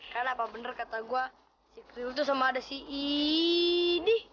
kenapa benar kata gua si kriwo sama ada si i dih